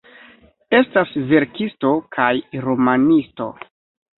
Estas verkisto kaj romanisto.